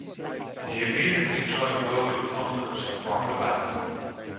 He immediately joined local punkers who formed a band.